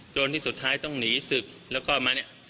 จนที่สุดท้ายต้องหนีศึกแล้วก็มาเนี่ย